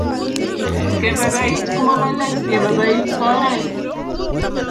kebaibait ko Mobo let kebaibait ko oret